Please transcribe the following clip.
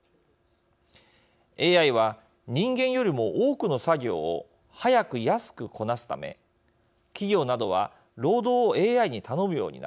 ＡＩは人間よりも多くの作業を早く安くこなすため企業などは労働をＡＩに頼むようになる。